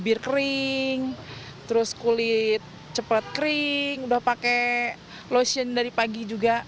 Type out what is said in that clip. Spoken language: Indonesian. bir kering terus kulit cepat kering udah pakai lotion dari pagi juga